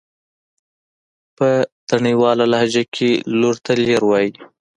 په تڼيواله لهجه کې لور ته لير وايي.